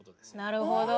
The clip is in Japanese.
なるほど。